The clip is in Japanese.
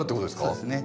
そうですね。